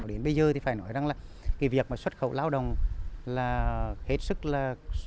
đến bây giờ thì phải nói rằng là cái việc mà xuất khẩu lao động là hết sức là